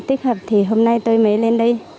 tích hợp thì hôm nay tôi mới lên đây